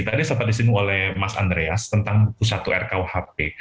tadi sempat disinggung oleh mas andreas tentang buku satu rkuhp